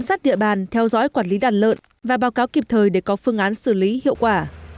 sát địa bàn theo dõi quản lý đàn lợn và báo cáo kịp thời để có phương án xử lý hiệu quả